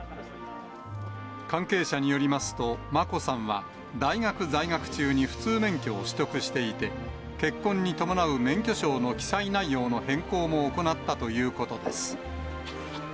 関係者によりますと、眞子さんは大学在学中に普通免許を取得していて、結婚に伴う免許証の記載内容の変更も行ったということです。